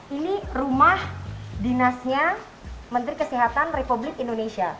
ini rumah dinasnya menteri kesehatan republik indonesia